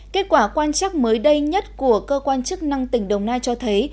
kết quả quan chắc mới đây nhất của cơ quan chức năng tỉnh đồng nai cho thấy